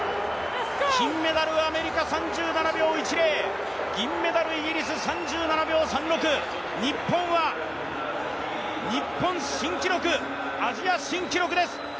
金メダルアメリカ、銀メダルイギリス、日本は日本新記録、アジア新記録です。